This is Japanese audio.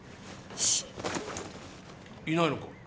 シッいないのか？